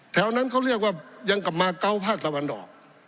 แถวนั้นเขาเรียกว่ายังกลับมาเกาะภาคตะวันออก